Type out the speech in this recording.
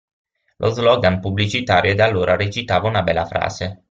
Lo slogan pubblicitario di allora recitava una bella frase.